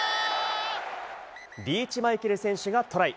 リーチ・マイケル選手がトライ！